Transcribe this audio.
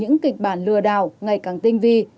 những kịch bản lừa đảo ngày càng tinh vi